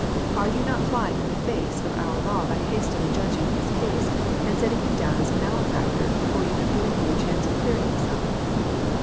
— Are you not fiying in the face of our law by hastily Judging His case, and setting Him down as a malefactor before you have given Him a chance of clearing Himself?